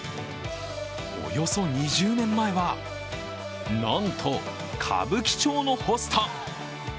およそ２０年前はなんと、歌舞伎町のホスト。